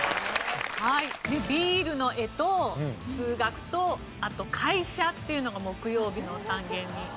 ビールの絵と数学とあと会社っていうのが木曜日の３限に。